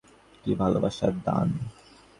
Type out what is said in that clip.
কী ভালোবাসার দান!